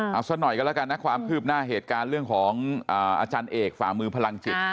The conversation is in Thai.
เอาซะหน่อยกันแล้วกันนะความคืบหน้าเหตุการณ์เรื่องของอาจารย์เอกฝ่ามือพลังจิต